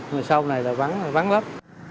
ngày sau này là vắng vắng lấp